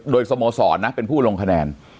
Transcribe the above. โดยสโมสรนะเป็นผู้ลงคะแนน